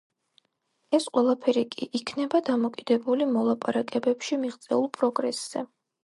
ეს ყველაფერი კი იქნება დამოკიდებული მოლაპარაკებებში მიღწეულ პროგრესზე.